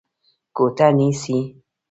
کوټه نيسې؟